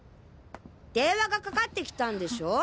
電話がかかってきたんでしょ？